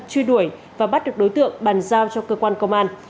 truy đuổi và bắt được đối tượng bàn giao cho cơ quan công an